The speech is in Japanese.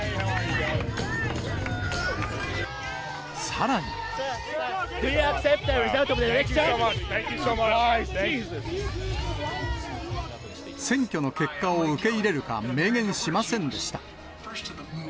さらに。選挙の結果を受け入れるか明言しませんでした。